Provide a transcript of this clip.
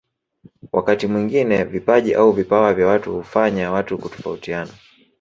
Wakati mwingine vipaji au vipawa vya watu hufanya watu kutofautiana